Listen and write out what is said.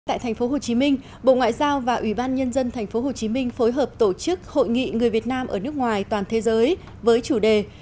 tại tp hcm bộ ngoại giao và ủy ban nhân dân tp hcm phối hợp tổ chức hội nghị người việt nam ở nước ngoài toàn thế giới với chủ đề